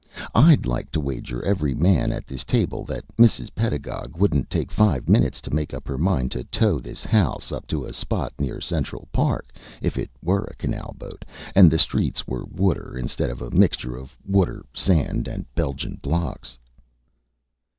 I'd like to wager every man at this table that Mrs. Pedagog wouldn't take five minutes to make up her mind to tow this house up to a spot near Central Park, if it were a canal boat and the streets were water instead of a mixture of water, sand, and Belgian blocks."